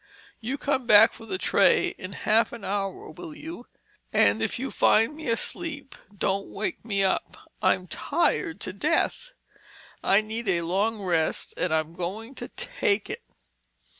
You come back for the tray in half an hour, will you? And if you find me asleep, don't wake me up. I'm tired to death. I need a long rest and I'm going to take it."